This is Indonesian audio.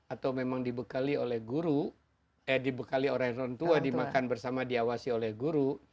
atau memang dibekali oleh guru eh dibekali oleh orang tua dimakan bersama diawasi oleh guru